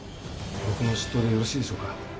僕の執刀でよろしいでしょうか？